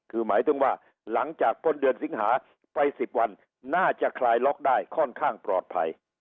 คือหมายถึงว่าหลังจากพ้นเดือนสิงหาไป๑๐วันน่าจะคลายล็อกได้ค่อนข้างปลอดภัย